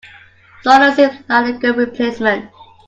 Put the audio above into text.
Solar seems like a good replacement.